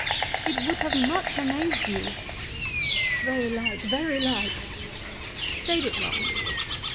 It would have much amaz'd you. HAMLET. Very like, very like. Stay'd it long?